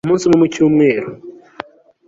umunsi umwe mu cyumweru